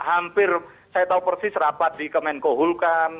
hampir saya tahu persis rapat di kemenkohulkan